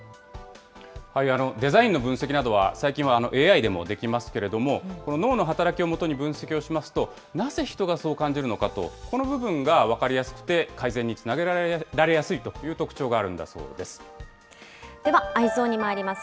デザインの分析などは、最近はＡＩでもできますけれども、この脳の働きを基に分析をしますと、なぜ人がそう感じるのかと、この部分が分かりやすくて、改善につなげられやすいという特徴があるではＥｙｅｓｏｎにまいります。